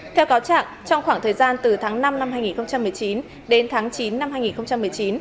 theo cáo trạng trong khoảng thời gian từ tháng năm năm hai nghìn một mươi chín đến tháng chín năm hai nghìn một mươi chín